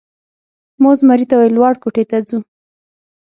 ما زمري ته وویل: لوړ کوټې ته ځو؟